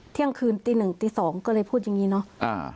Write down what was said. เที่ยงคืนตีหนึ่งตีสองก็เลยพูดอย่างนี้เนอะ